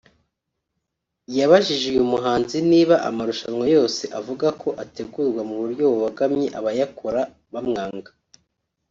yabajije uyu muhanzi niba amarushanwa yose avuga ko ategurwa mu buryo bubogamye abayakora bamwanga